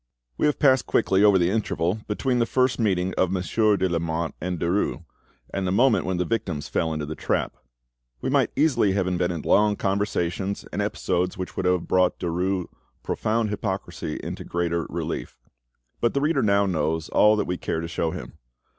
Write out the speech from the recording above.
We have passed quickly over the interval between the first meeting of Monsieur de Lamotte and Derues, and the moment when the victims fell into the trap: we might easily have invented long conversations, and episodes which would have brought Derues' profound hypocrisy into greater relief; but the reader now knows all that we care to show him.